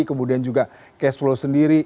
kemudian juga cash flow sendiri